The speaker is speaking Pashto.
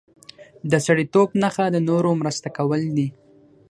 د سړیتوب نښه د نورو مرسته کول دي.